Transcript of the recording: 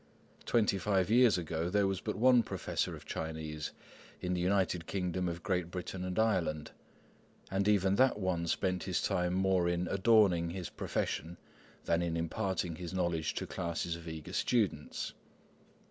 Twenty five years ago there was but one professor of Chinese in the United Kingdom of Great Britain and Ireland; and even that one spent his time more in adorning his profession than in imparting his knowledge to classes of eager students.